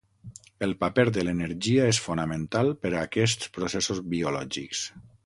El paper de l'energia és fonamental per a aquests processos biològics.